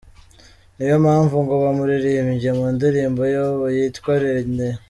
Niyo mpamvu ngo bamuririmbye mu ndirimbo yabo yitwa “Nerea”.